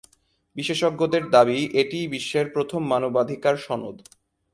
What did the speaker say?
বিশেষজ্ঞদের দাবি, এটিই বিশ্বের ‘প্রথম মানবাধিকার সনদ’।